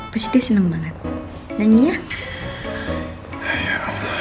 pasti dia senang banget nyanyi ya